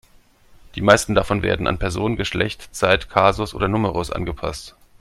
Die meisten davon werden an Person, Geschlecht, Zeit, Kasus oder Numerus angepasst.